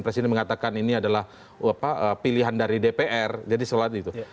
presiden mengatakan ini adalah pilihan dari dpr jadi sholat itu